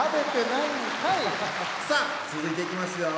さあ続いていきますよ